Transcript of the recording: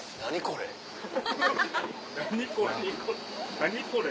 「何これ」